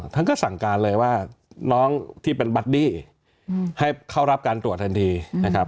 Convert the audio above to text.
ท่านก็สั่งการเลยว่าน้องที่เป็นบัดดี้ให้เข้ารับการตรวจทันทีนะครับ